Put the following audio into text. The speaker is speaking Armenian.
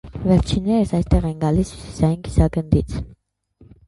Վերջիներս այստեղ են գալիս հյուսիսային կիսագնդից։